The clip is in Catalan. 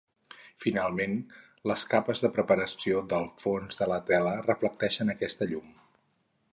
Finalment, les capes de preparació del fons de la tela reflecteixen aquesta llum.